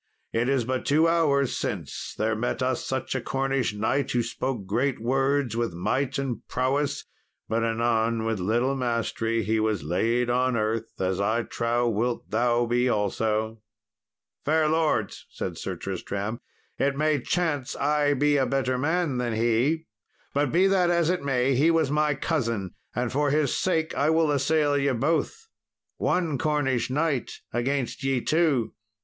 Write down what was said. It is but two hours since there met us such a Cornish knight, who spoke great words with might and prowess, but anon, with little mastery, he was laid on earth, as I trow wilt thou be also." "Fair lords," said Sir Tristram, "it may chance I be a better man than he; but, be that as it may, he was my cousin, and for his sake I will assail ye both; one Cornish knight against ye two."